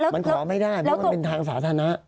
มันขอไม่ได้เพราะมันเป็นทางสาธารณะ